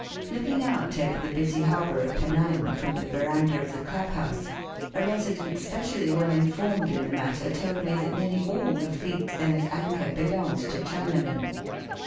Looking out over the busy harbour of Penang from the verandah of the club house, a resident spe <5ially well informed in the matter told me that nearly all the fleet then at anchor belonged to Chinamen.